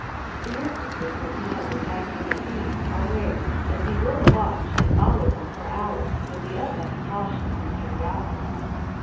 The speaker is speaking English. The instances where he has attacked human beings are rare, but he will watch and follow one for hours with the utmost caution and curiosity.